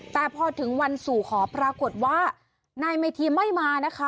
แต่พอถึงวันสู่ขอปรากฏว่านายเมธีไม่มานะคะ